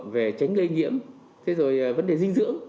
về tránh lây nhiễm vấn đề dinh dưỡng